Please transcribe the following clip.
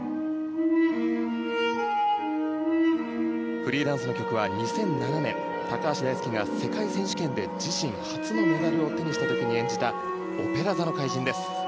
フリーダンスの曲は２００７年、高橋大輔が世界選手権で自身初のメダルを獲得した時に演じた「オペラ座の怪人」です。